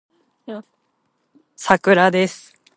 サクラです